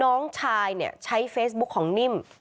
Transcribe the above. น้องชายเนี่ยใช้เฟซบุ๊คของนิ่ม